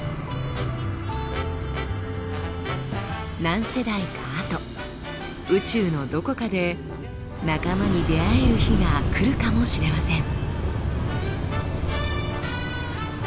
何世代かあと宇宙のどこかで仲間に出会える日が来るかもしれません。